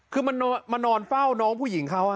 คือมันนอนเฝ้าน้องฝุ่ยหญิงครัวอะ